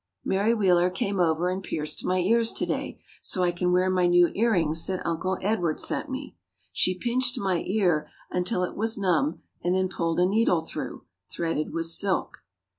Mary Wheeler came over and pierced my ears to day, so I can wear my new earrings that Uncle Edward sent me. She pinched my ear until it was numb and then pulled a needle through, threaded with silk.